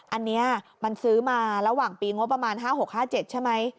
อันนี้มันซื้อมาระหว่างปีงบประมาณ๕๖๕๗ใช่ไหม